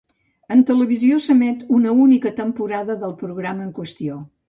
En televisió s'emet una única temporada del programa en qüestió.